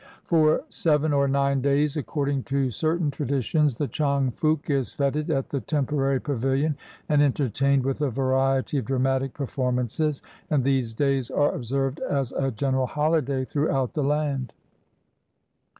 For seven or nine days, according to certain traditions, the Chang Phoouk is feted at the temporary pavilion, and entertained with a variety of dramatic perform ances; and these days are observed as a general holiday throughout the land.